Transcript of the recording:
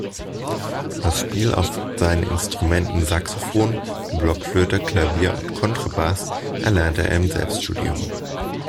Das Spiel auf seinen Instrumenten Saxophon, Blockflöte, Klavier und Kontrabass erlernte er im Selbststudium.